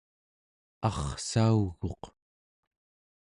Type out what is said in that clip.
arrsauguq